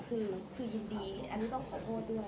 คือยินดีอันนี้ต้องขอโทษด้วย